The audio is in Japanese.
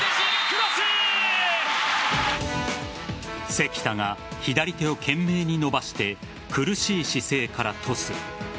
関田が左手を懸命に伸ばして苦しい姿勢からトス。